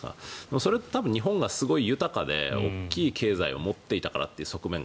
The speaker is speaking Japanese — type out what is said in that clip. それって多分日本がすごい豊かで大きい経済を持っていたからという側面が